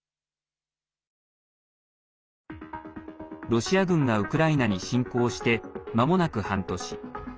ロシア軍がウクライナに侵攻して、まもなく半年。